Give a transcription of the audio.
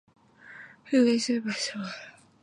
He released his first solo album Who Loves Ya Baby?